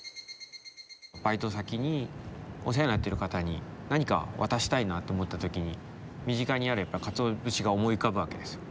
バイト先にお世話になっている方に何か渡したいなと思った時に身近にある鰹節が思い浮かぶわけですよ。